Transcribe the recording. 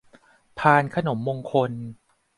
พานขนมมงคล